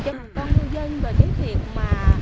cho con ngư dân về cái việc mà